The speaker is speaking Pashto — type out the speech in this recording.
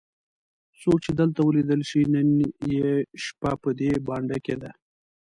څوک چې دلته ولیدل شي نن یې شپه په دې بانډه کې ده.